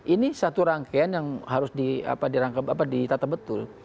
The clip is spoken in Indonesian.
ini satu rangkaian yang harus ditata betul